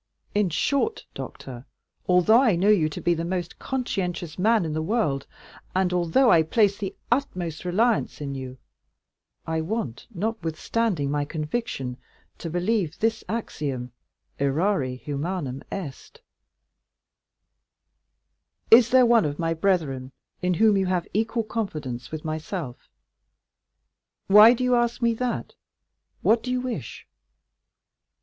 In short, doctor although I know you to be the most conscientious man in the world, and although I place the utmost reliance in you, I want, notwithstanding my conviction, to believe this axiom, errare humanum est." "Is there one of my brethren in whom you have equal confidence with myself?" "Why do you ask me that?—what do you wish?"